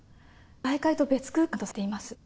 外界と別空間とされています。